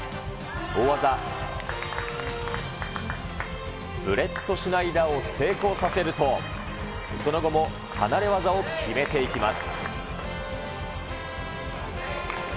大技、ブレットシュナイダーを成功させると、その後も離れ技を決めていきます。